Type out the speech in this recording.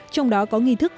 trong đó có nghi thức